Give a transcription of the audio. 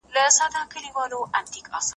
که خاوند مسلمان سي او ميرمن انکار وکړي؟